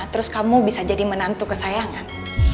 terus kamu bisa jadi menantu kesayangan